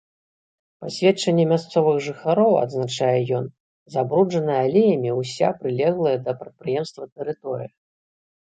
Па сведчанні мясцовых жыхароў, адзначае ён, забруджаная алеямі ўся прылеглая да прадпрыемства тэрыторыя.